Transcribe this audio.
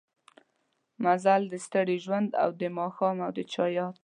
مزل د ستړي ژوند او دا ماښام او د چا ياد